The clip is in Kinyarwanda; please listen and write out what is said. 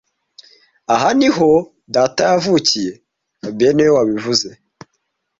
Aha niho data yavukiye fabien niwe wabivuze